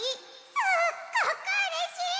すっごくうれしい！